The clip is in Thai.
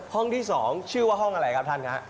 ห้องที่๒ชื่อว่าห้องอะไรครับท่านครับ